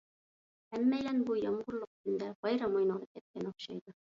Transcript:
ھەممەيلەن بۇ يامغۇرلۇق كۈندە بايرام ئوينىغىلى كەتكەن ئوخشايدۇ.